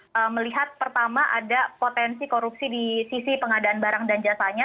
saya melihat pertama ada potensi korupsi di sisi pengadaan barang dan jasanya